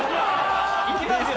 いきますよ